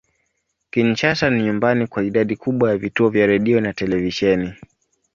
Kinshasa ni nyumbani kwa idadi kubwa ya vituo vya redio na televisheni.